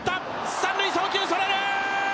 三塁、送球、それる！